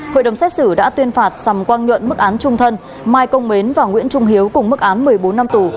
hội đồng xét xử đã tuyên phạt sầm quang nhuận mức án trung thân mai công mến và nguyễn trung hiếu cùng mức án một mươi bốn năm tù